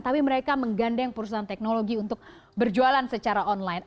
tapi mereka menggandeng perusahaan teknologi untuk berjualan secara online